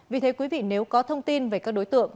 vì thế quý vị nếu có thông tin về các đối tượng